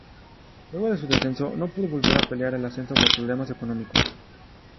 Luego de su descenso no pudo volver a pelear el ascenso por problemas económicos.